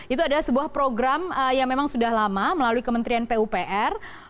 itu adalah sebuah program yang memang sudah lama melalui kementerian pupr